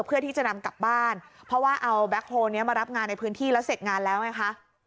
เพื่อที่จะนำกลับบ้านเพราะว่าเอาแก๊คโฮลนี้มารับงานในพื้นที่แล้วเสร็จงานแล้วไงคะ